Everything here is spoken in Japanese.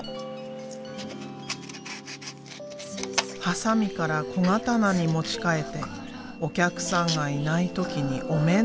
ハサミから小刀に持ち替えてお客さんがいない時にお面作り。